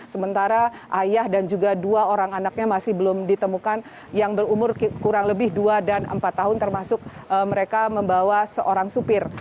sementara ayah dan juga dua orang anaknya masih belum ditemukan yang berumur kurang lebih dua dan empat tahun termasuk mereka membawa seorang supir